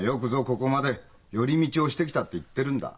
ここまで寄り道をしてきたって言ってるんだ。